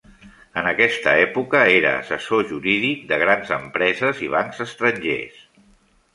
En aquesta època, era assessor jurídic de grans empreses i bancs estrangers.